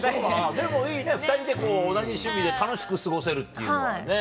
でもいいね２人で同じ趣味で楽しく過ごせるっていうのはね。